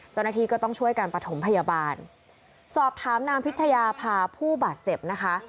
เจ้าหน้าที่ก็ต้องช่วยการประถมพยาบาลสอบถามนางพิชยาพาผู้บาดเจ็บนะคะ